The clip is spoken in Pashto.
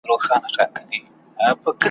تا پخپله جواب کړي وسیلې دي ,